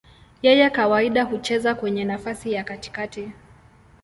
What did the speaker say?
Yeye kawaida hucheza kwenye nafasi ya katikati.